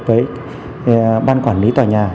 với ban quản lý tòa nhà